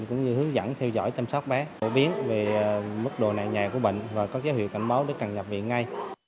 cũng như hướng dẫn theo dõi tâm sát bé bổ biến về mức đồ nạ nhà của bệnh và có kế hoạch cảnh báo để càng nhập viện ngay